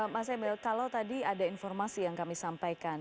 mas emil kalau tadi ada informasi yang kami sampaikan